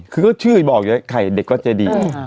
คือก็ชื่อบอกไอ้ไข่เด็กวัดเจดีอืม